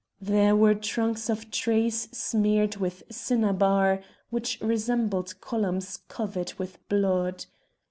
There were trunks of trees smeared with cinnabar, which resembled columns covered with blood.